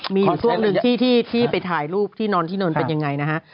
มีอยู่ช่วงหนึ่งที่ไปถ่ายรูปที่นอนที่นอนเป็นยังไงนะฮะ